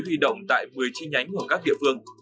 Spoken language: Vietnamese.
huy động tại một mươi chi nhánh của các địa phương